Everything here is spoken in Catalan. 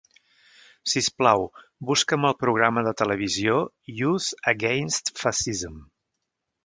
Sisplau, busca'm el programa de televisió Youth Against Fascism.